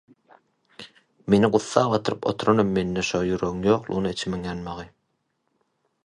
Meni gussa batyryp oturanam mende şo ýüregiň ýoklugyna içimiň ýanmagy.